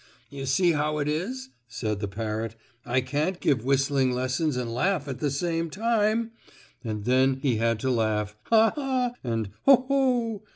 "You see how it is," said the parrot. "I can't give whistling lessons and laugh at the same time," and then he had to laugh "Ha! Ha!" and "Ho! Ho!"